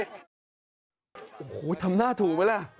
โอ้โฮทำหน้าถูกไปแล้ว